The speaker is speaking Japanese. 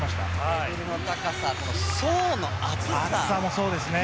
レベルの高さ、層の厚さ。